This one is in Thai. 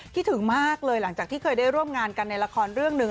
คิดถึงมากเลยหลังจากที่เคยได้ร่วมงานกันในละครเรื่องหนึ่ง